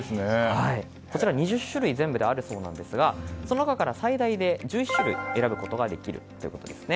こちらは２０種類あるそうですがその中で最大１１種類を選ぶことができるということです。